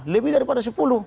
lebih daripada sepuluh